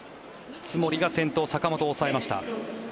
津森が先頭の坂本を抑えました。